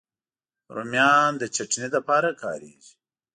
رومیان د چټني لپاره کارېږي